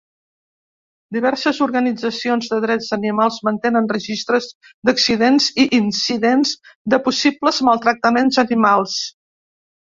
Diverses organitzacions de drets d'animals mantenen registres d'accidents i incidents de possibles maltractaments animals.